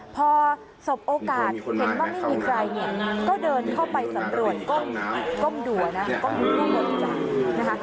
พอสบโอกาสเห็นว่าไม่มีใครเนี่ยก็เดินเข้าไปสำรวจก้มดูนะก้มบริจาคนะคะ